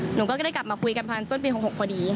หนูก็ได้กลับมาคุยกันผ่านต้นปี๖๖พอดี